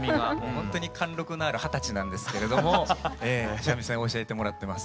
ほんとに貫禄のある二十歳なんですけれども三味線を教えてもらってます。